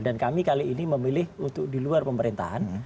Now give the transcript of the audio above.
dan kami kali ini memilih untuk di luar pemerintahan